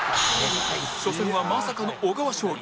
初戦はまさかの小川勝利